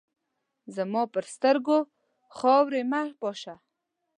زما پر سترګو خاوري مه پاشه !